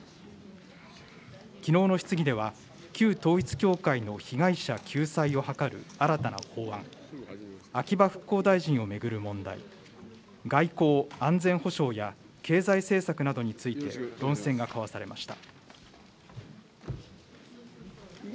きのうの質疑では、旧統一教会の被害者救済を図る新たな法案、秋葉復興大臣を巡る問題、外交・安全保障や経済政策などについて、論戦が交わされました。